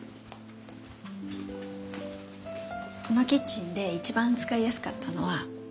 このキッチンで一番使いやすかったのは。